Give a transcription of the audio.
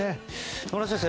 野村先生